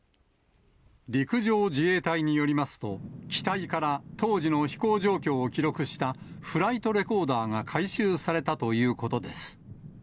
陸上自衛隊によりますと、機体から当時の飛行状況を記録したフライトレコーダーが回収されたということです。